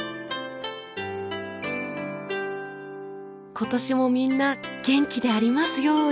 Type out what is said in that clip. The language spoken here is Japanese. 今年もみんな元気でありますように！